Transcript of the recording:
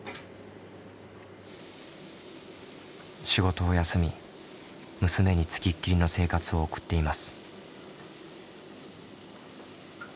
仕事を休み娘に付きっきりの生活を送っています。